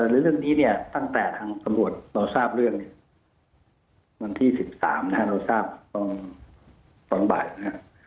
เรื่องนี้เนี่ยตั้งแต่ทางสมบวชเราทราบเรื่องวันที่๑๓นะครับเราทราบตอนบ่ายนะครับ